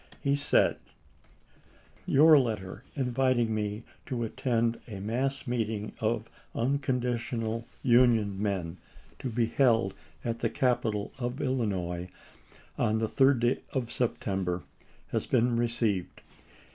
He said: Your letter, inviting me to attend a mass meeting of unconditional Union men, to be held at the capital of Illinois on the 3d day of September, has been received.